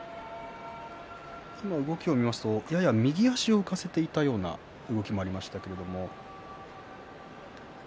今、動きを見ますと右足を浮かせていたような動きがありました。